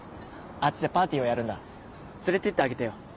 あっちでパーティーをやるんだ連れてってあげてよ。